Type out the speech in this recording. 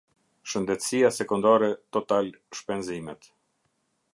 Shendetesia sekondare Total Shpenzimet.